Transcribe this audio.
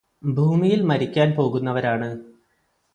ഭൂമിയില് മരിക്കാന് പോകുന്നവരാണ്